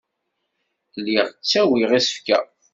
Lliɣ ttagiɣ isefka.